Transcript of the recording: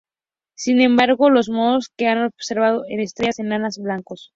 Sin embargo, los modos g se han observado en estrellas enanas blancos.